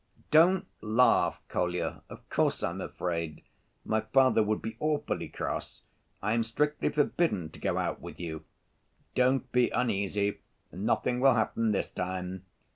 "Don't laugh, Kolya. Of course I'm afraid. My father would be awfully cross. I am strictly forbidden to go out with you." "Don't be uneasy, nothing will happen this time.